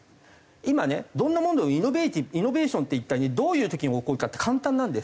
今ねどんなもんでもイノベーションって一体ねどういう時に起こるかって簡単なんです。